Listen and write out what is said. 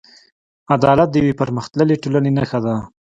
عدالت د یوې پرمختللې ټولنې نښه ده.